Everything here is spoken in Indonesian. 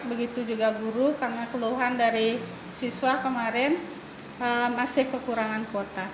begitu juga guru karena keluhan dari siswa kemarin masih kekurangan kuota